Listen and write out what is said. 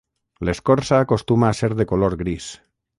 L'escorça acostuma a ser de color gris.